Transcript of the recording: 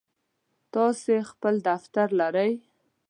تاسی خپل دفتر لرئ؟